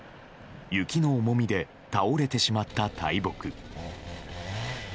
雪の重みで倒れてしまった大木。